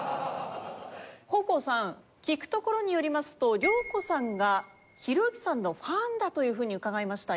黄皓さん聞くところによりますと諒子さんがひろゆきさんのファンだという風に伺いました。